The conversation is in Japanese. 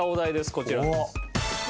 こちらです。